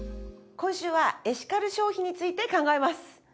今週はエシカル消費について考えます。